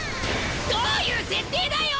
どういう設定だよ！